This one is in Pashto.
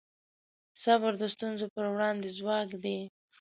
صبر د ستونزو پر وړاندې ځواک دی.